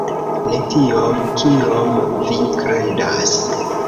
Ne tiom, kiom vi kredas.